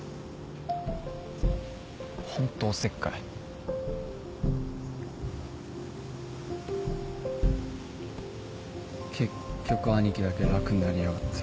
ホントおせっかい結局兄貴だけ楽になりやがって